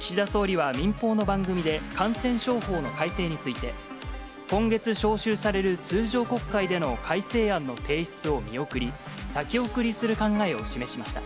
岸田総理は民放の番組で、感染症法の改正について、今月召集される通常国会での改正案の提出を見送り、先送りする考えを示しました。